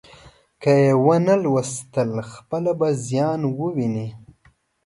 که یې ونه ولوستل، خپله به زیان وویني.